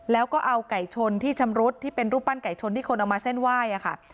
แล้วก็เอาไก่ชนที่ชำรุดที่เป็นรูปปั้นไก่ชนที่คนเอามาเส้นไหว้ค่ะ